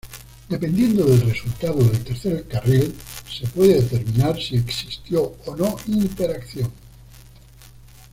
Dependiendo del resultado del tercer carril se puede determinar si existió o no interacción.